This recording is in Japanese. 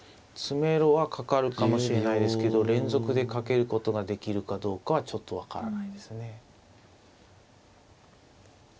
詰めろはかかるかもしれないですけど連続でかけることができるかどうかはちょっと分からないですね。